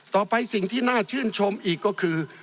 ต่อไปสิ่งที่น่าชื่นชมอีกก็คือ